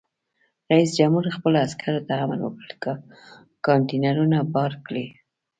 رئیس جمهور خپلو عسکرو ته امر وکړ؛ کانټینرونه بار کړئ!